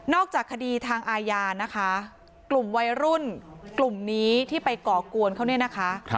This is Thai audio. จากคดีทางอาญานะคะกลุ่มวัยรุ่นกลุ่มนี้ที่ไปก่อกวนเขาเนี่ยนะคะ